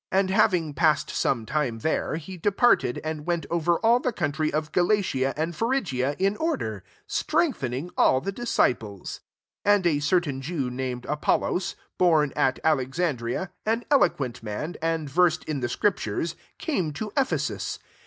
23 And having passed some time there, he departed} and went over all the country of Galatia and Phrygia, in order ; strengthening all tbe disciples. 24 And a certain Jew, named Apollos, born at Alexandria, an eloquent man, and versed in the scriptures, came to Ephesus.